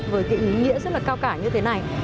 với cái ý nghĩa rất là cao cả như thế này